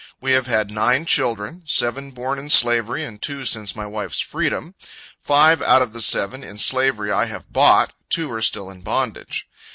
We have had nine children seven born in slavery, and two since my wife's freedom. Five out of the seven in slavery I have bought two are still in bondage.